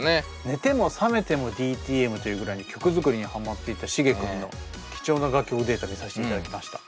寝ても覚めてもＤＴＭというぐらい曲作りにハマっていたシゲ君の貴重な楽曲データを見させていただきました。